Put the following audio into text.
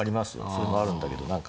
それもあるんだけど何か。